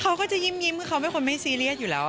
เขาก็จะยิ้มคือเขาเป็นคนไม่ซีเรียสอยู่แล้ว